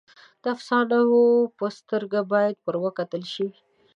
د افسانو په سترګه باید ورته وکتل شي.